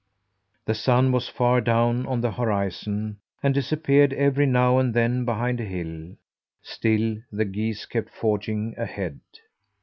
The sun was far down on the horizon, and disappeared every now and then behind a hill; still the geese kept forging ahead.